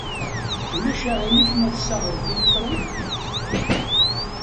Ulac aɣilif ma tessaɣeḍ tiliẓri?